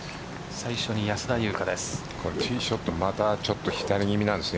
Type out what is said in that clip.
最初に安田祐香です。